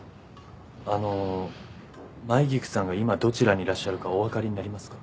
あの舞菊さんが今どちらにいらっしゃるかおわかりになりますか？